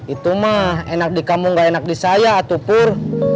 itu mah enak di kampung gak enak di saya tupur